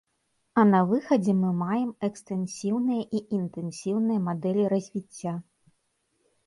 А на выхадзе мы маем экстэнсіўныя і інтэнсіўныя мадэлі развіцця.